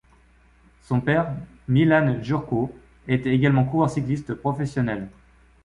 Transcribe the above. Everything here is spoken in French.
Son père Milan Jurčo était également coureur cycliste professionnel.